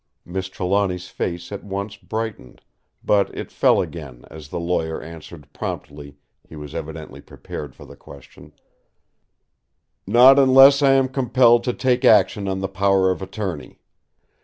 Miss Trelawny's face at once brightened; but it fell again as the lawyer answered promptly—he was evidently prepared for the question: "Not unless I am compelled to take action on the Power of Attorney.